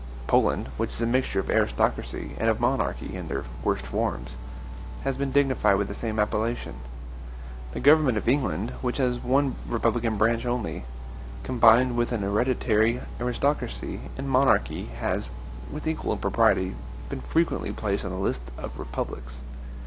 Poland, which is a mixture of aristocracy and of monarchy in their worst forms, has been dignified with the same appellation. The government of England, which has one republican branch only, combined with an hereditary aristocracy and monarchy, has, with equal impropriety, been frequently placed on the list of republics.